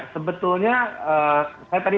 sebetulnya saya tadi